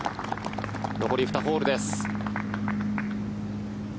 残り２ホールです。